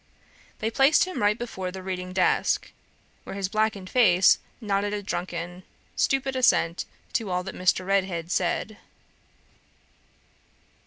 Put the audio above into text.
They placed him right before the reading desk, where his blackened face nodded a drunken, stupid assent to all that Mr. Redhead said.